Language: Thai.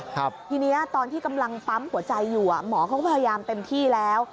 ทีนี้ตอนที่กำลังปั๊มหัวใจอยู่อ่ะหมอเขาก็พยายามเต็มที่แล้ว